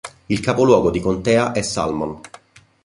Il capoluogo di contea è Salmon.